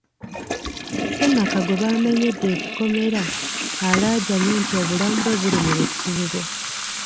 Ssemaka gwe baamenyedde ekikomera alaajanye nti obulamu bwe buli mu lusuubo.